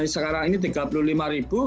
sekarang ini tiga puluh lima ribu